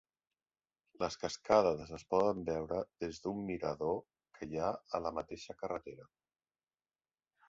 Les cascades es poden veure des d'un mirador que hi ha a la mateixa carretera.